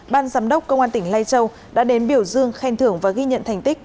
ban giám đốc công an tỉnh lai châu đã đến biểu dương khen thưởng và ghi nhận thành tích